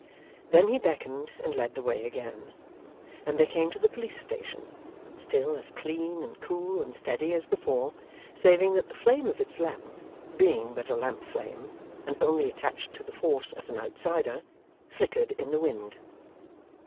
Then he beckoned and led the way again, and they came to the police station, still as clean and cool and steady as before, saving that the flame of its lamp being but a lamp flame, and only attached to the Force as an outsider flickered in the wind.